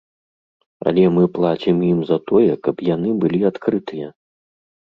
Але мы плацім ім за тое, каб яны былі адкрытыя.